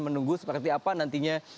menunggu seperti apa nantinya